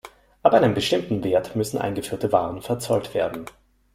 Ab einem bestimmten Wert müssen eingeführte Waren verzollt werden.